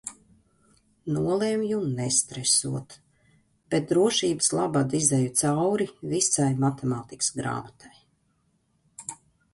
Nolemju nestresot, bet drošības labad izeju cauri visai matemātikas grāmatai.